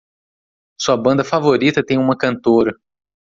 Sua banda favorita tem uma cantora.